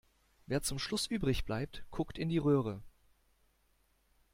Wer zum Schluss übrig bleibt, guckt in die Röhre.